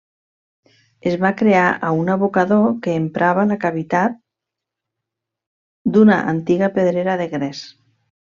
Es va crear a un abocador que emprava la cavitat d'una antiga pedrera de gres.